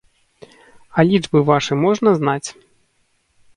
А лічбы вашы можна знаць?